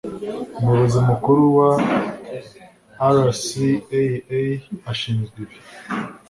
umuyobozi mukuru wa rcaa ashinzwe ibi